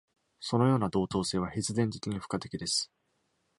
そのような同等性は、必然的に付加的です。